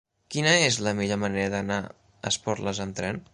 Quina és la millor manera d'anar a Esporles amb tren?